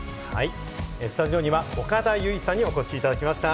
スタジオには岡田結実さんにお越しいただきました。